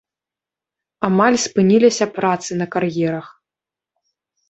Амаль спыніліся працы на кар'ерах.